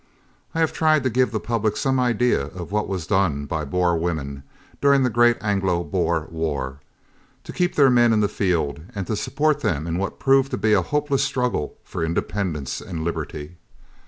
I have tried to give the public some idea of what was done by Boer women, during the great Anglo Boer war, to keep their men in the field and to support them in what proved to be a hopeless struggle for independence and liberty.